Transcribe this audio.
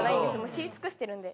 知り尽くしてるんで。